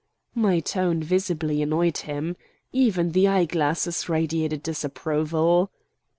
My tone visibly annoyed him. Even the eye glasses radiated disapproval.